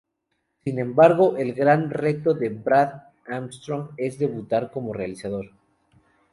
Sin embargo, el gran reto de Brad Armstrong es debutar como realizador.